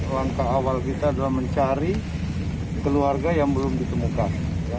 langkah awal kita adalah mencari keluarga yang belum ditemukan